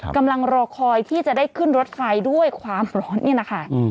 กำลังรอคอยที่จะได้ขึ้นรถไฟด้วยความร้อนนี่แหละค่ะ